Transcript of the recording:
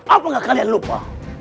apakah kalian lupa